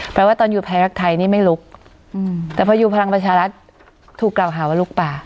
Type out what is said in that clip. ว่าตอนอยู่แพ้รักไทยนี่ไม่ลุกแต่พออยู่พลังประชารัฐถูกกล่าวหาว่าลุกป่า